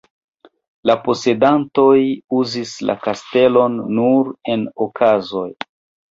La posedantoj uzis la kastelon nur en okazoj.